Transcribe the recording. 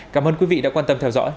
cảm ơn quý vị đã quan tâm theo dõi